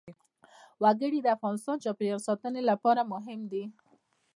وګړي د افغانستان د چاپیریال ساتنې لپاره مهم دي.